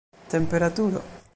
temperaturo